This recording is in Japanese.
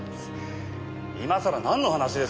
今さらなんの話です？